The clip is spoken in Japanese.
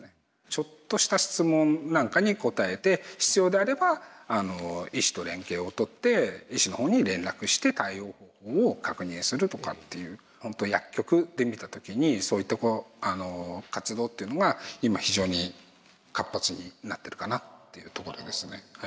ちょっとした質問なんかに答えて必要であれば医師と連携をとって医師の方に連絡して対応を確認するとかっていうほんと薬局で見た時にそういうとこ活動っていうのが今非常に活発になってるかなっていうところですね。